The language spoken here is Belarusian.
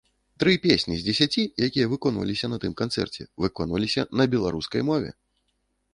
Тры песні з дзесяці, якія выконваліся на тым канцэрце, выконваліся на беларускай мове!